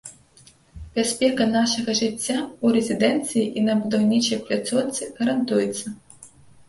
Бяспека нашага жыцця ў рэзідэнцыі і на будаўнічай пляцоўцы гарантуецца.